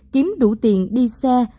kiếm đủ tiền đi xe